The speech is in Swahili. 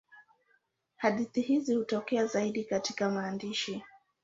Hadithi hizi hutokea zaidi katika maandishi.